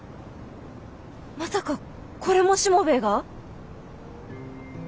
まさかこれもしもべえが？